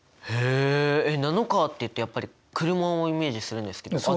へえナノカーっていうとやっぱり車をイメージするんですけど。